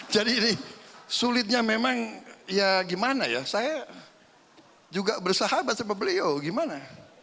jadi ini sulitnya memang ya gimana ya saya juga bersahabat sama beliau gimana